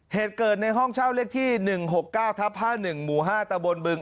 เหตุเกิดในห้องเช่าเลขที่๑๖๙ทับ๕๑หมู่๕ตะบนบึง